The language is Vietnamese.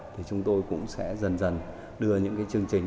thì chúng tôi cũng sẽ dần dần đưa những cái chương trình